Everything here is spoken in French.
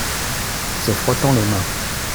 Se frottant les mains.